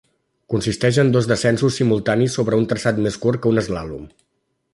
Consisteix en dos descensos simultanis sobre un traçat més curt que un Eslàlom.